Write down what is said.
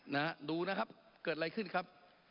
นะฮะดูนะครับเกิดอะไรขึ้นครับ